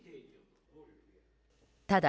ただ、